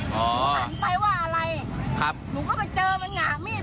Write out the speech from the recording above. หรือว่าผัวใหม่นี่ใช้อาวุธมีด